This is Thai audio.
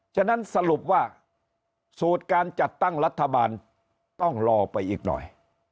ฉะนั้นสรุปว่าสูตรการจัดตั้งรัฐบาลต้องรอไปอีกหน่อย